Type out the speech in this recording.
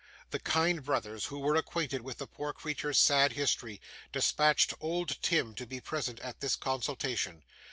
The kind brothers, who were acquainted with the poor creature's sad history, dispatched old Tim to be present at this consultation.